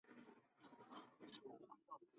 氯苯乙酮很容易在市面上买到。